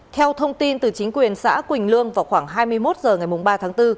theo thông tin từ chính quyền xã quỳnh lương vào khoảng hai mươi một h ngày ba tháng bốn